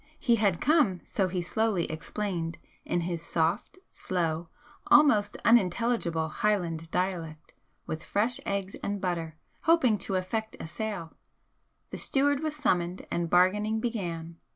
He had come, so he slowly explained in his soft, slow, almost unintelligible Highland dialect, with fresh eggs and butter, hoping to effect a sale. The steward was summoned, and bargaining began.